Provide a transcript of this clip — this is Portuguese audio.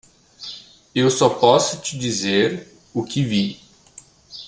Eu só posso te dizer o que vi.